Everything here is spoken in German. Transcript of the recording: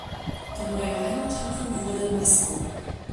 Der neue Heimathafen wurde Nassau.